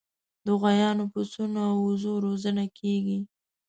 د غویانو، پسونو او وزو روزنه کیږي.